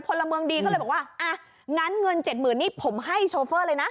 พลเมืองดีก็เลยบอกว่างั้นเงิน๗๐๐๐๐บาทนี่ผมให้โชเฟอร์เลยนะ